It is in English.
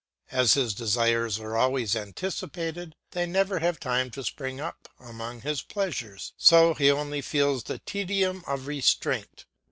As his desires are always anticipated; they never have time to spring up among his pleasures, so he only feels the tedium of restraint.